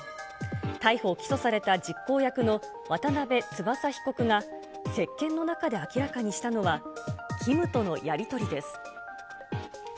逮捕・起訴された実行役の渡邉翼被告が、接見の中で明らかにしたのは、キムとのやり取りです。